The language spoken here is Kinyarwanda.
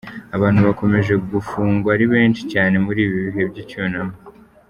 Abantu bakomeje gufungwa ari benshi cyane muri ibi bihe by’icyunamo